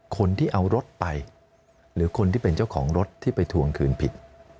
คนที่เอารถไปหรือคนที่เป็นเจ้าของรถที่ไปทวงคืนผิด